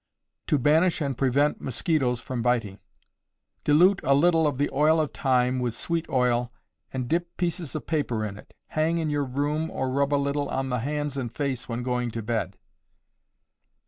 To Banish and Prevent Mosquitoes from Biting. Dilute a little of the oil of thyme with sweet oil, and dip pieces of paper in it. Hang in your room, or rub a little on the hands and face when going to bed.